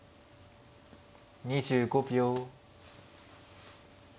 ２５秒。